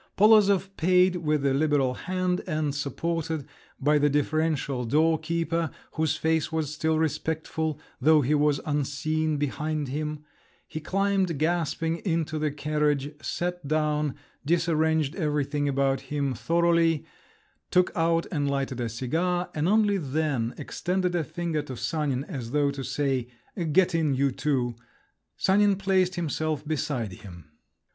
Polozov paid with a liberal hand, and supported by the deferential door keeper, whose face was still respectful, though he was unseen behind him, he climbed gasping into the carriage, sat down, disarranged everything about him thoroughly, took out and lighted a cigar, and only then extended a finger to Sanin, as though to say, "Get in, you too!" Sanin placed himself beside him.